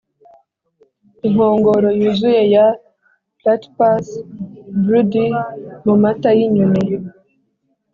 inkongoro-yuzuye ya platypus broody mumata yinyoni.